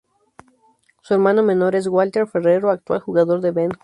Su hermano menor es Walter Ferrero, actual jugador de Ben Hur.